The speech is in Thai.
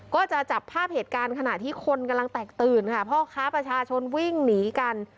ก็จะจับภาพเหตุการณ์ขณะที่คนกำลังแตกตื่นค่ะพ่อค้าประชาชนวิ่งหนีกัน